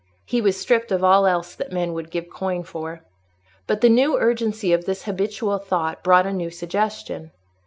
He was stripped of all else that men would give coin for. But the new urgency of this habitual thought brought a new suggestion.